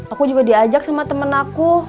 aku juga diajak sama temen aku